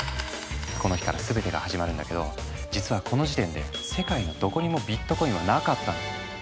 この日から全てが始まるんだけど実はこの時点で世界のどこにもビットコインはなかったの。